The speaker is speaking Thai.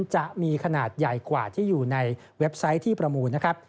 จะมีขนาดใหญ่กว่าที่อยู่ในเว็บไซต์ที่ประมูลนะครับ